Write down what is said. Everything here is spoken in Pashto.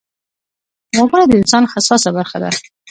غوږونه د انسان حساسه برخه ده